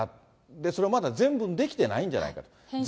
それまだ全文出来てないんじゃないかと。